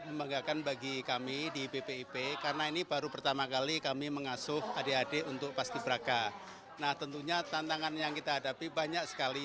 pembinaan iglui pancasila tetapi juga ada pengasuhan dan tentunya kesamaptamaan ya